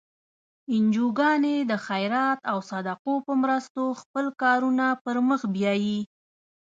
انجوګانې د خیرات او صدقو په مرستو خپل کارونه پر مخ بیایي.